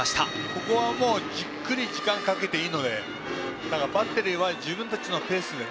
ここはじっくり時間をかけていいのでバッテリーは自分たちのペースで。